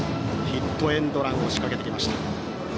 ヒットエンドラン仕掛けてきました。